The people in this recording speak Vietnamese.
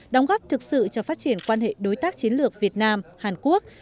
đóng góp thực sự cho phát triển quan hệ đối tác chiến lược việt nam hàn quốc